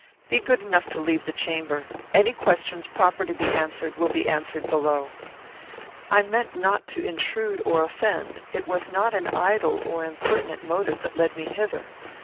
Be good enough to leave the chamber. Any questions proper to be answered will be answered below." "I meant not to intrude or offend. It was not an idle or impertinent motive that led me hither.